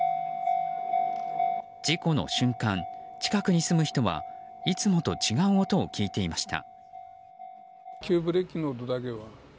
事故の瞬間、近くに住む人はいつもと違う音を聞いていました。